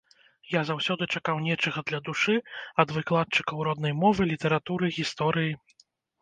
Я заўсёды чакаў нечага для душы ад выкладчыкаў роднай мовы, літаратуры, гісторыі.